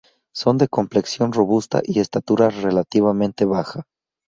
Son de complexión robusta y estatura relativamente baja.